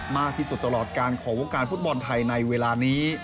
มากที่สุดตลอดการของวงการฟุตบอลไทยในเวลานี้